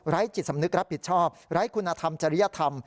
จิตสำนึกรับผิดชอบไร้คุณธรรมจริยธรรม